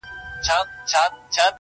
نور یې غم نه وي د نورو له دردونو -